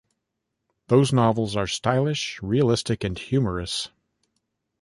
Those novels are stylish, realistic and humorous.